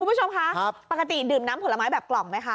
คุณผู้ชมคะปกติดื่มน้ำผลไม้แบบกล่องไหมคะ